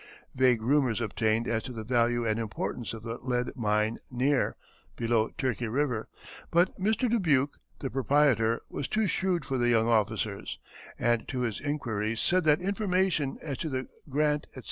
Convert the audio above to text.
Vague rumors obtained as to the value and importance of the lead mine near, below Turkey River, but Mr. Dubuque, the proprietor, was too shrewd for the young officer, and to his inquiries said that information as to the grant, etc.